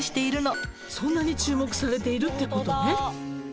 そんなに注目されているってことね。